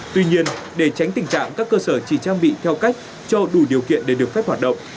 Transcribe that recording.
tuy nhiên để tránh tình trạng các cơ sở chỉ trang bị theo cách cho đủ điều kiện để được phép hoạt động